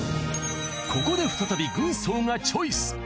ここで再び軍曹がチョイス！